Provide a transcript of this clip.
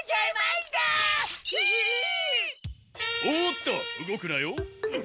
おっと動くなよ。